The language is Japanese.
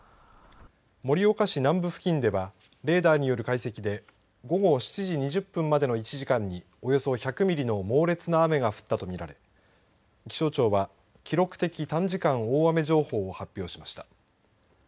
盛岡市南部付近ではレーダーによる解析で午後７時２０分までの１時間におよそ１００ミリの猛烈な雨が降ったと見られ気象庁は記録的短時間大雨情報を発表しました。